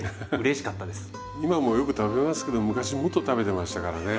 今もよく食べますけど昔もっと食べてましたからね。